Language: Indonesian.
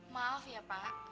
maaf ya pak